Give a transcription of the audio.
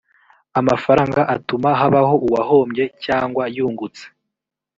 amafaranga atuma habaho uwahombye cyangwa yungutse